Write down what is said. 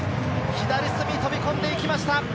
左隅に飛び込んでいきました。